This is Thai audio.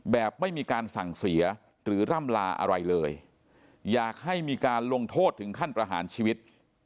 แบบไม่มีการสั่งเสียหรือร่ำลาอะไรเลยอยากให้มีการลงโทษถึงขั้นประหารชีวิต